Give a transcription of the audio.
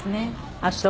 あっそう。